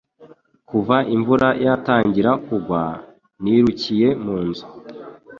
Kuva imvura yatangira kugwa, nirukiye mu nzu.